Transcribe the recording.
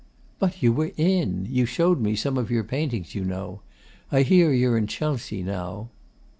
'But you were in. You showed me some of your paintings, you know.... I hear you're in Chelsea now.